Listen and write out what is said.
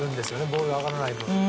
ボールが上がらない分だけ。